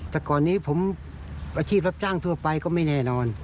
แต่ก่อนนี้ผมอาชีพรับจ้างทั่วไปก็ไม่แน่นอน